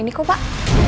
jadi kok pak